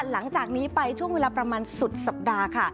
หลังจากนี้ไปช่วงเวลาประมาณสุดสัปดาห์ค่ะ